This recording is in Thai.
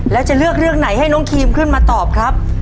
แล้วจะเลือกเรื่องไหนให้น้องครีมขึ้นมาตอบครับ